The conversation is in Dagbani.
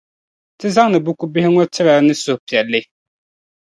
Ti zaŋdi buku bihi ŋɔ n-tir' a ni suhi piɛlli.